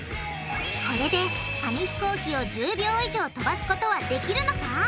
これで紙ひこうきを１０秒以上飛ばすことはできるのか？